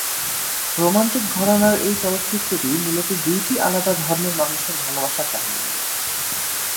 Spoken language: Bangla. রোমান্টিক ঘরানার এই চলচ্চিত্রটি মূলত দুইটি আলাদা ধর্মের মানুষের ভালোবাসার কাহিনী নিয়ে।